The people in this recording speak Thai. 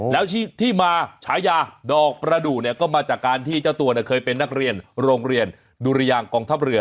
แล้วที่มาฉายาดอกประดูกเนี่ยก็มาจากการที่เจ้าตัวเคยเป็นนักเรียนโรงเรียนดุรยางกองทัพเรือ